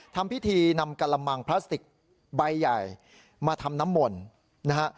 ทำพิธีนำกะละมังพลาสติกใบใหญ่มาทำน้ำมนต์นะฮะ